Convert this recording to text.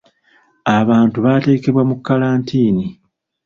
Abantu bateekebwa mu kkalantiini.